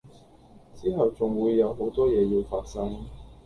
之後仲會有好多嘢要發生